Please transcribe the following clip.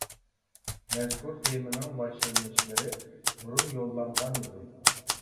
مەزكۇر تېمىنىڭ باشلىنىشلىرى بۇرۇن يوللانغان ئىدى.